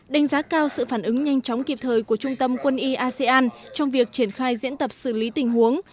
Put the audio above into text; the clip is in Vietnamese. đánh giá cao sự phản ứng nhanh chóng kịp thời của trung tâm quân y asean trong việc triển khai diễn tập xử lý tình huống